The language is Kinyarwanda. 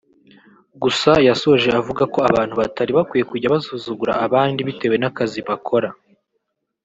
Gusa yasoje avuga ko abantu batari bakwiye kujya basuzugura abandi bitewe n’akazi bakora